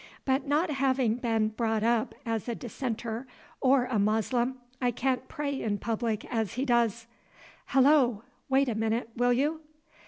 But not having been brought up a Dissenter or a Moslem, I can't pray in public as he does. Hullo! Wait a minute, will you?"